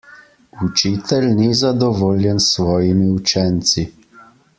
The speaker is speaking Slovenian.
Učitelj ni zadovoljen s svojimi učenci.